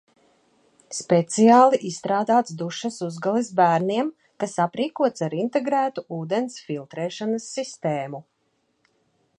Speciāli izstrādāts dušas uzgalis bērniem, kas aprīkots ar integrētu ūdens filtrēšanas sistēmu